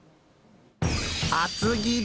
厚切り。